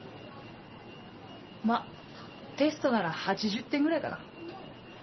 まぁテストなら８０点ぐらいかな。